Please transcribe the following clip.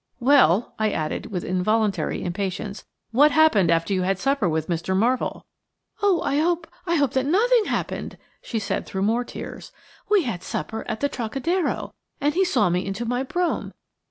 Well," I added, with involuntary impatience, "what happened after you had supper with Mr. Marvell?" "Oh! I hope–I hope that nothing happened," she said through more tears; "we had supper at the Trocadero, and he saw me into my brougham.